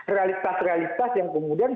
realitas realitas yang kemudian